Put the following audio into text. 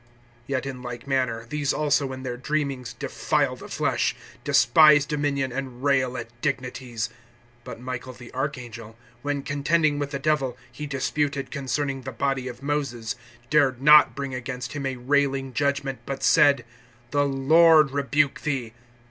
(8)Yet, in like manner, these also in their dreamings defile the flesh, despise dominion, and rail at dignities. (9)But Michael the archangel, when, contending with the Devil, he disputed concerning the body of Moses, dared not bring against him a railing judgment, but said: The Lord rebuke thee.